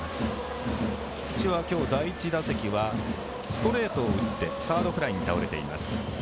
菊池は今日、第１打席はストレートを打ってサードフライに倒れています。